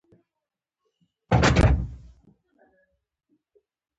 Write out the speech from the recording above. ورور له تا سره خواږه خاطرې لري.